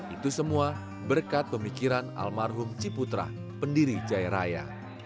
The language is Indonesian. itu semua berkat pemikiran almarhum ciputra pendiri jaya raya